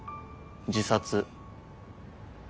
自殺。